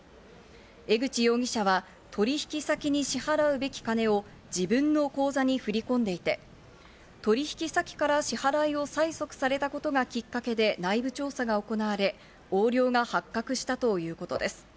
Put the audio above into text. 江口容疑者は取引先に支払うべき金を自分の口座に振り込んでいて、取引先から支払いを催促されたことがきっかけで内部調査が行われ、横領が発覚したということです。